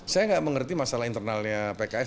saya nggak mengerti masalah internalnya pks